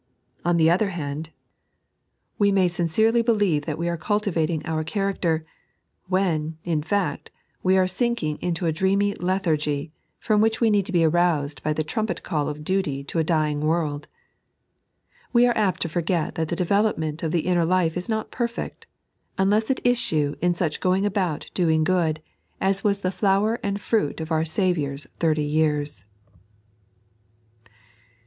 On the other band, we may 3.n.iized by Google 34 Silent Influence. eincerely believe tbat we are cultivating our character, when, in fuct, we are sinking into a dreamy lethargy, from which we need to be aroused by the trumpet call of duty to a dying world. We are apt to forget that the development of the inner life is not perfect, iinlesa it iesue in such going about doing good, as was the flower and fruit of our Saviour's thirty years.